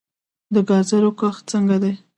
د ګازرو کښت څنګه دی؟